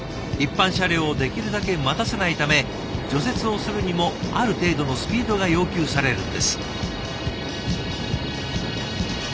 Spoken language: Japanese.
一般車両をできるだけ待たせないため除雪をするにもある程度のスピードが要求されるんです。